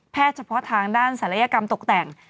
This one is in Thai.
แพทย์เฉพาะทางด้านสารยกรรมตกแต่ง